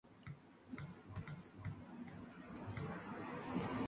El premio es otorgado por el Centro Arnold Schönberg de Viena.